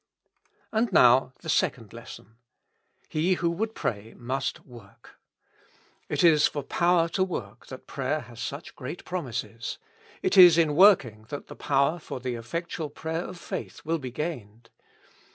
And now the second lesson : He who would pray 7nust work. It is for power to work that prayer has such great promises ; it is in working that the power for the effectual prayer of faith will be gained.